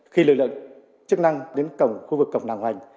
khi lực lượng chức năng đến cổng khu vực cổng nàng hoành